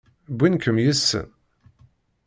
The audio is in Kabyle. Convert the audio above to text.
Wwin-kem yid-sen?